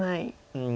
うん。